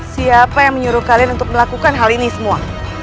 siapa yang menyuruh kalian untuk melakukan hal ini semua